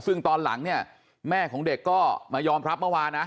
ซึ่งตอนหลังเนี่ยแม่ของเด็กก็มายอมรับเมื่อวานนะ